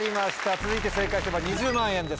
続いて正解すれば２０万円です